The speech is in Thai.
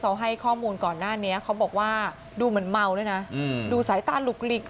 เขาให้ข้อมูลก่อนหน้านี้เขาบอกว่าดูเหมือนเมาด้วยนะดูสายตาหลุกหลิก